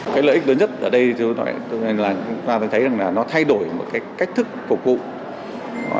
cái lợi ích lớn nhất ở đây là chúng ta thấy là nó thay đổi một cái cách thức phục vụ